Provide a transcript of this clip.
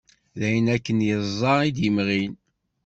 D ayen akken iẓẓa i d-imɣin.